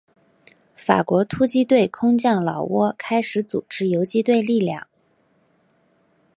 法国突击队空降老挝开始组织游击队力量。